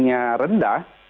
jangan sampai testingnya rendah